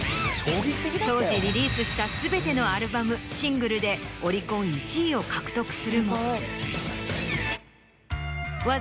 当時リリースした全てのアルバムシングルでオリコン１位を獲得するも。